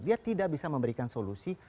dia tidak bisa memberikan solusi